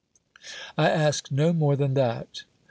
I ask no more than that.